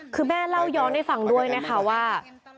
คือแม่เล่าย้อนให้ฟังด้วยนะคะว่า